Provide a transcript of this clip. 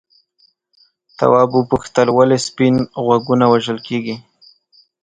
تواب وپوښتل ولې سپین غوږونه وژل کیږي.